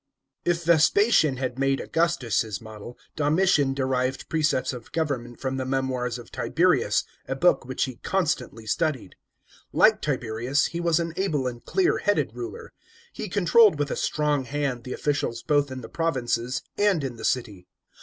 § 17. If Vespasian had made Augustus his model, Domitian derived precepts of government from the Memoirs of Tiberius, a book which he constantly studied. Like Tiberius, he was an able and clear headed ruler. He controlled with a strong hand the officials both in the provinces and in the city.